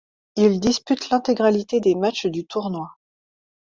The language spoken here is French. Il dispute l'intégralité des matchs du tournoi.